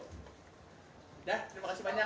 sudah terima kasih banyak